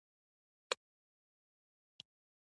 هیڅ په حال پوه نه شو بېرته را وګرځيده.